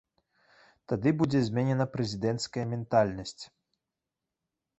Тады будзе змененая прэзідэнцкая ментальнасць.